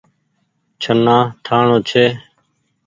ڇهنآ ٺآڻو ڇي۔